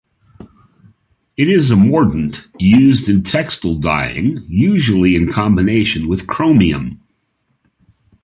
It is a mordant used in textile dyeing, usually in combination with chromium.